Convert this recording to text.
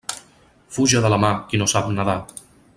Fuja de la mar qui no sap nedar.